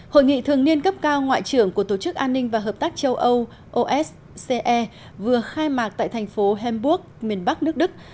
hội nghị thường niên cấp cao ngoại trưởng của tổ chức an ninh và hợp tác châu âu vừa khai mạc tại thành phố hamburg miền bắc nước đức